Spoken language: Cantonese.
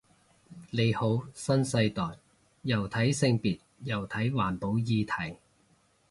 你好新世代，又睇性別又睇環保議題